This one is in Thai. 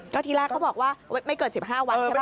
ก็ที่แรกเขาบอกว่าไม่เกิน๑๕วันใช่ไหม